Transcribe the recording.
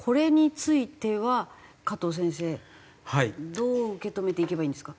どう受け止めていけばいいんですか？